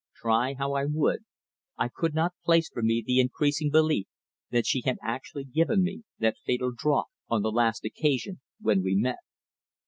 Try how I would I could not place from me the increasing belief that she had actually given me that fatal draught on the last occasion when we met.